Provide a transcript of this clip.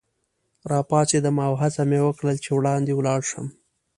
راپاڅېدم او هڅه مې وکړل چي وړاندي ولاړ شم.